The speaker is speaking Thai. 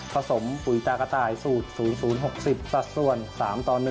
สมปุ๋ยตากระต่ายสูตร๐๐๖๐สัดส่วน๓ต่อ๑